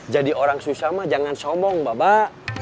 jadi orang susama jangan sombong babak